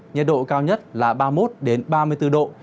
nhiệt độ cao nhất là ba mươi một ba mươi bốn độ